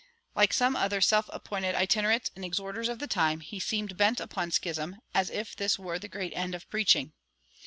Like some other self appointed itinerants and exhorters of the time, he seemed bent upon schism, as if this were the great end of preaching.